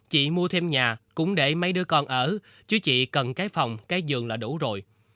chị mua thêm nhà cũng để mấy đứa con ở chứ chị cần cái phòng cái dường là đủ rồi